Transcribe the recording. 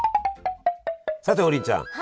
さて王林ちゃん。